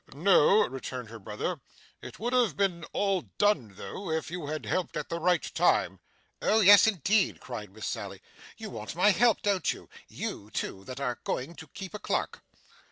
'No,' returned her brother. 'It would have been all done though, if you had helped at the right time.' 'Oh yes, indeed,' cried Miss Sally; 'you want my help, don't you? YOU, too, that are going to keep a clerk!